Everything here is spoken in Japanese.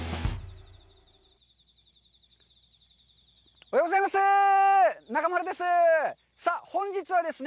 おはようございます！